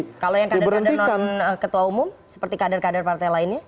kalau yang kader kader non ketua umum seperti kader kader partai lainnya